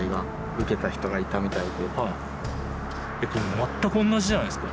全く同じじゃないですか？